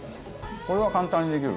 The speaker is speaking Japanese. これは簡単にできる。